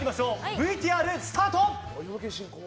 ＶＴＲスタート！